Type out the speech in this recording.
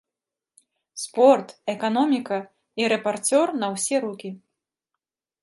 Спорт, эканоміка і рэпарцёр на ўсе рукі.